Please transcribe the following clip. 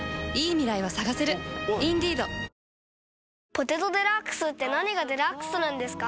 「ポテトデラックス」って何がデラックスなんですか？